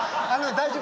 大丈夫。